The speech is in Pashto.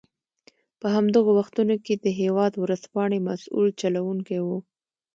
په همدغو وختونو کې د هېواد ورځپاڼې مسوول چلوونکی و.